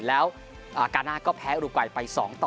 แล้วการนะก็แพ้อุรกวัยไปสองต่อ๔